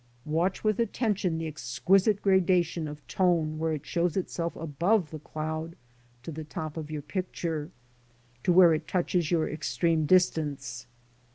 Watch with attention the exquisite gradation of tone where it shows itself above the cloud to the top of your picture, to where it touches your extreme distance.